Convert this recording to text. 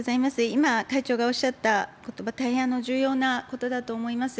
今、会長がおっしゃったことば、大変重要なことだと思います。